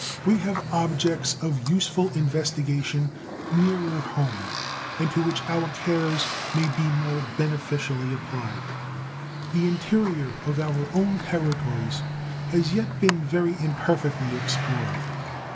We have objects of useful investigation nearer home, and to which our cares may be more beneficially applied. The interior of our own territories has yet been very imperfectly explored.